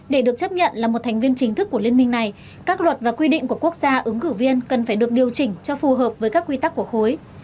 để được chấp nhận là một thành viên chính thức của liên minh này các luật và quy định của quốc gia ứng cử viên cần phải được điều chỉnh cho phù hợp với các quy tắc của khối